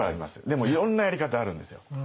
でもいろんなやり方あるんですよ。